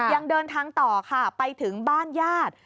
ยังเดินทางต่อค่ะไปถึงบ้านญาติ